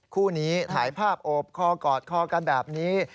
คู่นี้ถ่ายภาพโอบคอกอดคอกันแบบนี้